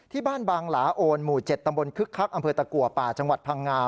ที่บ้านบางหลาโอนหมู่๗ตำบลคึกคักอำเภอตะกัวป่าจังหวัดพังงา